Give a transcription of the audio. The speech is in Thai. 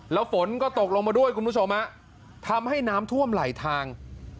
แล้วฝนก็ตกลงมาด้วยคุณผู้ชมฮะทำให้น้ำท่วมไหลทาง